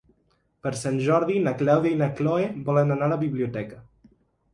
Per Sant Jordi na Clàudia i na Cloè volen anar a la biblioteca.